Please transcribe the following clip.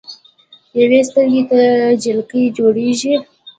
يوې سترګې ته جالکي جوړيږي